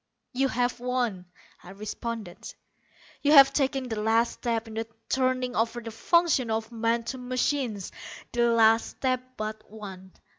"You have won," I responded; "you have taken the last step in the turning over of the functions of man to machines the last step but one.